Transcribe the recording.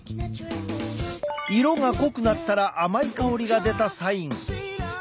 色が濃くなったら甘い香りが出たサイン。